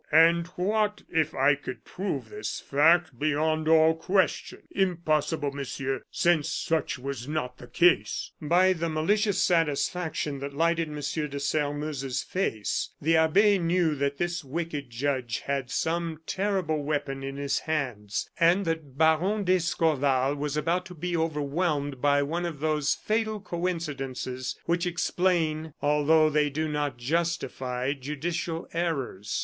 "And what if I could prove this fact beyond all question?" "Impossible, Monsieur, since such was not the case." By the malicious satisfaction that lighted M. de Sairmeuse's face, the abbe knew that this wicked judge had some terrible weapon in his hands, and that Baron d'Escorval was about to be overwhelmed by one of those fatal coincidences which explain, although they do not justify, judicial errors.